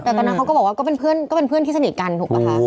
แต่ตอนนั้นเขาก็บอกว่าก็เป็นเพื่อนที่สนิทกันถูกปะคะ